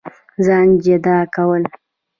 ځان جدا كول